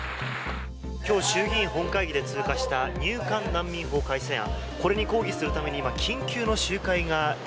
今日衆議院本会議で通過した入管難民法改正案。